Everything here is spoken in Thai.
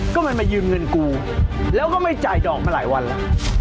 ก็มันมายืมเงินกูแล้วก็ไม่จ่ายดอกมาหลายวันแล้ว